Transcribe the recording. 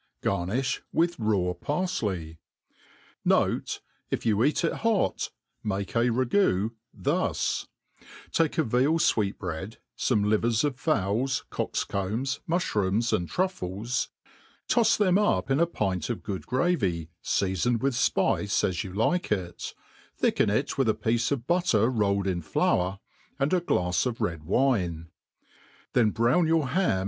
Garniih with raw parfley. •' Note, If you eat it hot,, make a ragoo thus : take a real fweetbread, fome livers of fowls, cocks combs, mu(hioont$, and truffles ; tois tbem up in a pint of good gravy, feafoned with fpice as you like it,, thicken it with a piece of buuer rolled ij] flour, and a glafs of red wine; then brown your ham.